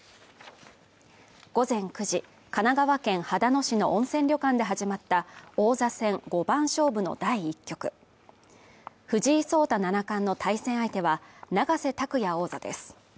午前９時神奈川県秦野市の温泉旅館で始まった王座戦五番勝負の第１局藤井聡太七冠の対戦相手は永瀬拓矢王座です